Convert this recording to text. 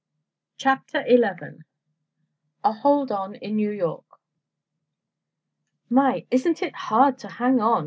CHAPTER XI A HOLD ON IN NEW YORK "My! Isn't it hard to hang on!"